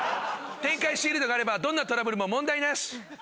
展開シールドがあればどんなトラブルも問題なし。